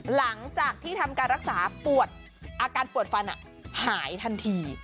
หลังจากที่ทำการรักษาปวดอาการปวดฟันหายทันที